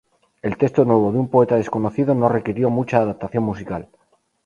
El texto nuevo, de un poeta desconocido, no requirió mucha adaptación musical.